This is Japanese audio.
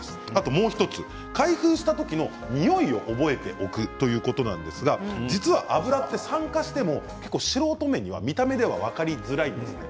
もう１つ開封した時のにおいを覚えておくということなんですが実は油は酸化しても素人目には見た目では分かりづらいんですね。